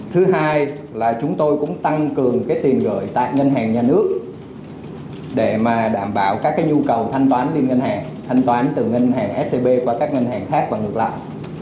thứ hai là chúng tôi cũng tăng cường cái tiền gửi tại ngân hàng nhà nước để đảm bảo các nhu cầu thanh toán liên ngân hàng thanh toán từ ngân hàng scb qua các ngân hàng khác và ngược lại